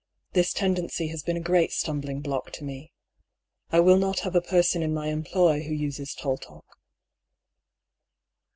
This tendency has been a great stumbling block to me. I will not have a person in my employ who uses tall talk."